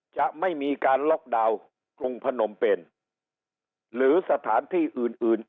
จะไม่มีการล็อกดาวน์กรุงพนมเป็นหรือสถานที่อื่นอื่น